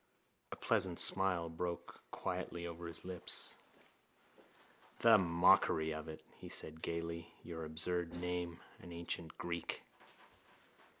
A pleasant smile broke quietly over his lips. —The mockery of it! he said gaily. Your absurd name, an ancient Greek!